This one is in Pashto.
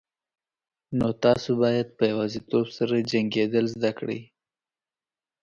نو تاسو باید په یوازیتوب سره جنگیدل زده کړئ.